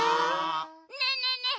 ねえねえねえ